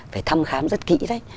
phải thăm khám rất kỹ